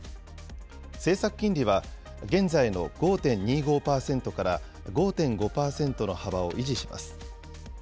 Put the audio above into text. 政策金利は、現在の５．２５％から５．５％の幅を維持します。